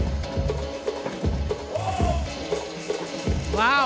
ワオ！